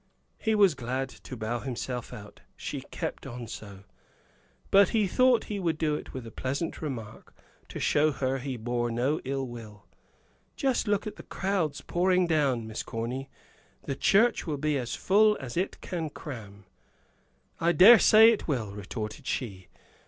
He was glad to bow himself out, she kept on so. But he thought he would do it with a pleasant remark, to show her he bore no ill will. "Just look at the crowds pouring down, Miss Corny; the church will be as full as it can cram." "I dare say it will," retorted she.